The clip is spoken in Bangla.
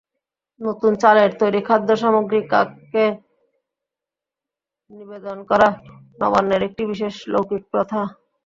নতুন চালের তৈরি খাদ্যসামগ্রী কাককে নিবেদন করা নবান্নের একটি বিশেষ লৌকিক প্রথা।